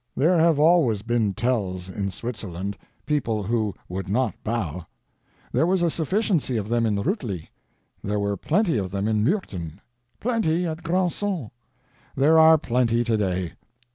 There have always been Tells in Switzerland—people who would not bow. There was a sufficiency of them at Rutli; there were plenty of them at Murten; plenty at Grandson; there are plenty today.